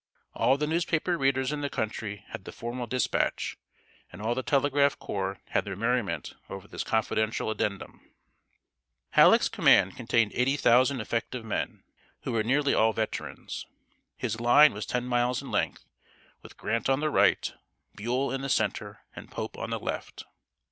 All the newspaper readers in the country had the formal dispatch, and all the telegraph corps had their merriment over this confidential addendum. Halleck's command contained eighty thousand effective men, who were nearly all veterans. His line was ten miles in length, with Grant on the right, Buell in the center, and Pope on the left.